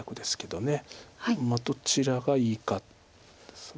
どちらがいいかです。